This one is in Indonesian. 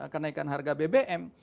kenaikan harga bbm